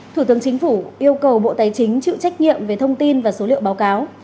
thủ tướng chính phủ yêu cầu bộ tài chính chịu trách nhiệm về thông tin và số liệu báo cáo